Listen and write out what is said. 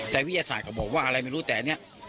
แต่วิทยาศาสตร์ก็บอกว่าอะไรไม่รู้แต่อันนี้